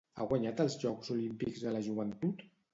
Ha guanyat els Jocs Olímpics de la Joventut?